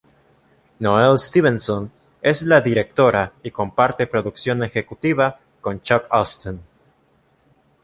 Noelle Stevenson es la directora y comparte la producción ejecutiva con Chuck Austen.